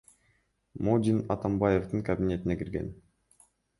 Модин Атамбаевдин кабинетине кирген.